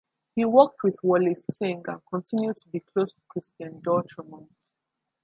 He worked with Walasse Ting and continued to be close to Christian Dotremont.